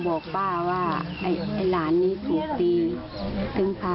พอเขามาตามแล้วก็ไปที่อนามัย